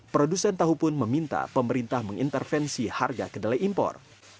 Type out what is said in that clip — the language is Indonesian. produsen tahu pun meminta pemerintah mengintervensi harga kedelai impor